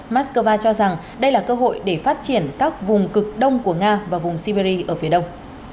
moscow cho rằng đây là cơ hội để phát triển các vùng cực đông của nga và vùng siberia ở phía đông